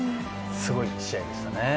すごい試合でしたね。